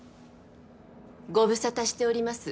ご無沙汰しております